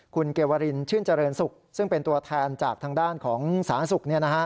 คุณเกวรินชื่นเจริญสุขซึ่งเป็นตัวแทนจากทางด้านของสาธารณสุข